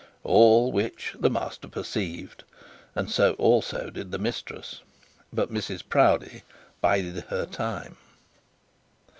All which the master perceived; and so also did the mistress. But Mrs Proudie bided her time.